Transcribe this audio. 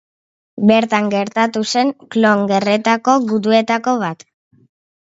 Bertan gertatu zen Klon Gerretako guduetako bat.